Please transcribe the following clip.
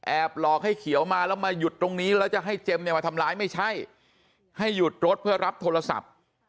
หลอกให้เขียวมาแล้วมาหยุดตรงนี้แล้วจะให้เจมส์เนี่ยมาทำร้ายไม่ใช่ให้หยุดรถเพื่อรับโทรศัพท์